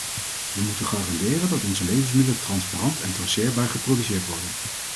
We moeten garanderen dat onze levensmiddelen transparant en traceerbaar geproduceerd worden.